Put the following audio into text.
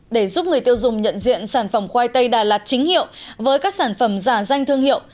để giúp người tiêu dùng nhận diện sản phẩm khoai tây đà lạt chính hiệu với các sản phẩm giả danh thương hiệu